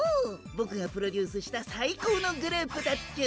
ぼくがプロデュースした最高のグループだっチュン！